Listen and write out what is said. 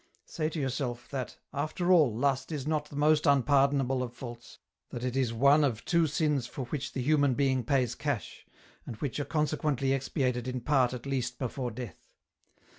Say to yourself, that, after all Lust is not the most unpardonable of faults, that it is one of two sins for which the human being pays cash, and which are conse quently expiated in part at least before death.